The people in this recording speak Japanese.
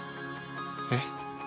えっ？